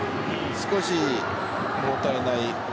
少し物足りない。